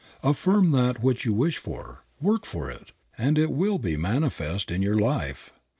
"Affirm that which you wish, work for it, and it will be manifest in your life."